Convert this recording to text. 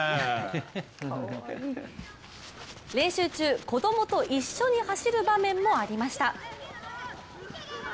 練習中、子供と一緒に走る場面もありました。